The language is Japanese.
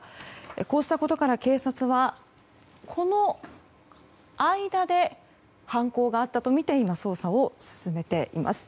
こうしたことから警察はこの間で犯行があったとみて今、捜査を進めています。